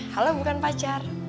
halo bukan pacar